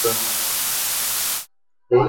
এটি দেশটির উত্তর-পশ্চিম অঞ্চলে অবস্থিত।